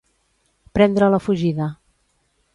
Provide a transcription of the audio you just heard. Prendre la fugida.